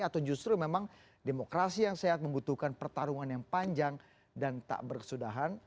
atau justru memang demokrasi yang sehat membutuhkan pertarungan yang panjang dan tak berkesudahan